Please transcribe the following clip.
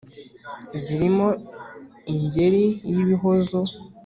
zirimo ingeri y’ibihozo